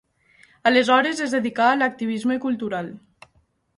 Aleshores es dedicà a l'activisme cultural.